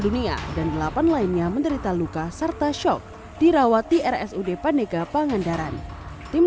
dunia dan delapan lainnya menderita luka serta shock dirawat di rsud pandega pangandaran tim